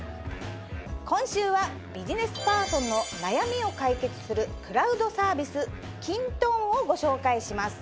今週はビジネスパーソンの悩みを解決するクラウドサービスキントーンをご紹介します。